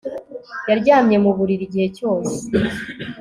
Yaryamye mu buriri igihe cyose